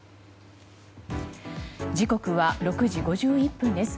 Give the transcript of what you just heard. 時刻は６時５１分です。